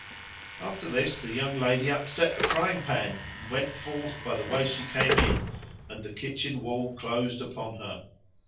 After this the young lady upset the frying pan and went forth by the way she came in and the kitchen wall closed upon her.